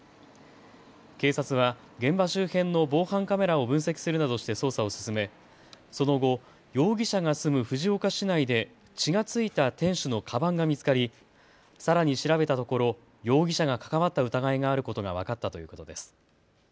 警察は現場周辺の防犯カメラを分析するなどして捜査を進めその後、容疑者が住む藤岡市内で血が付いた店主のかばんが見つかりさらに調べたところ容疑者が関わった疑いがあることが分かったということです。